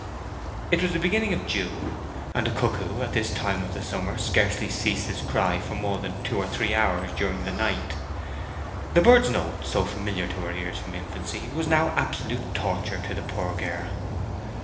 It was the beginning of June, and the cuckoo at this time of the summer scarcely ceased his cry for more than two or three hours during the night. The bird's note, so familiar to her ears from infancy, was now absolute torture to the poor girl.